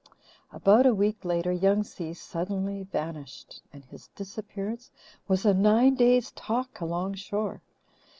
About a week later Young Si suddenly vanished, and his disappearance was a nine day's talk along shore.